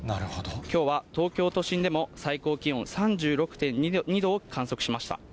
きょうは東京都心でも、最高気温３６．２度を観測しました。